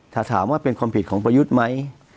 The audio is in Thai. ถ้าถามว่าเป็นความผิดของประยุทธ์ไหม